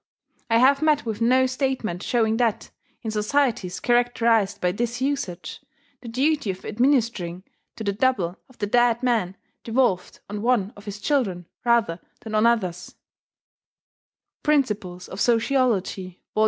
I have met with no statement showing that, in societies characterized by this usage, the duty of administering to the double of the dead man devolved on one of his children rather than on others," Principles of Sociology, Vol.